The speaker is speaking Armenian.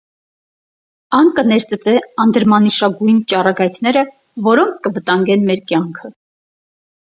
Ան կը ներծծէ անդրմանիշագոյն ճառագայթները, որոնք կը վտանգեն մեր կեանքը։